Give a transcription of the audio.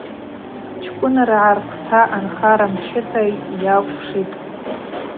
Чкӏвыныргӏа рквта анхара мчыта йакӏвшитӏ.